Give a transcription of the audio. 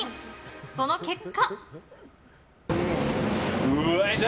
その結果。